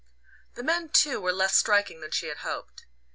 The men, too, were less striking than she had hoped.